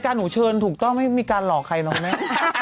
หนูเชิญถูกต้องไม่มีการหลอกใครหรอกแม่